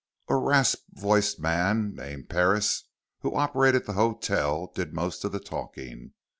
A rasp voiced man named Parris, who operated the hotel, did most of the talking.